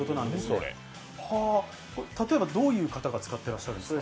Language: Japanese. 例えばどういう方がご利用になっているんですか？